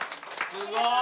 すごい！